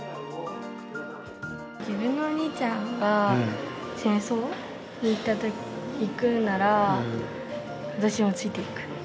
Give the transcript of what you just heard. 自分のお兄ちゃんが、戦争に行くなら、私もついていく。